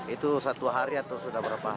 itu satu hari atau sudah berapa hari